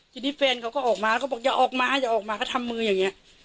ทีนี้แฟนเขาก็ออกมาเขาบอกอย่าออกมาอย่าออกมาก็ทำมืออย่างนี้